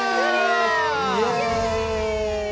イエイ！